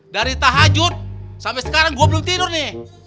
dari tahajud sampai sekarang gue belum tidur nih